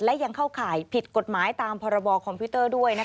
และยังเข้าข่ายผิดกฎหมายตามพรบคอมพิวเตอร์ด้วย